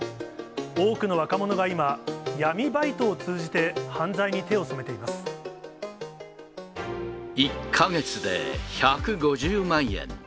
多くの若者が今、闇バイトを通じて犯罪に手を染め１か月で１５０万円。